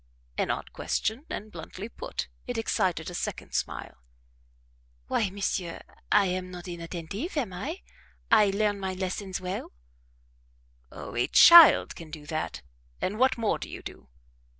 An odd question, and bluntly put; it excited a second smile. "Why, monsieur, I am not inattentive am I? I learn my lessons well " "Oh, a child can do that! and what more do you do?"